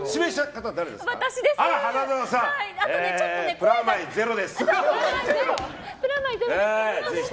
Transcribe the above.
プラマイゼロです。